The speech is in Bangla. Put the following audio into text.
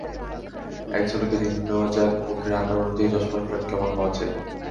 একঝলকে জেনে নেওয়া যাক, মুখের আকার অনুযায়ী চশমার ফ্রেম কেমন হওয়া চাই।